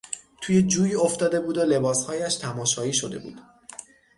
توی جوی افتاده بود و لباس هایش تماشایی شده بود.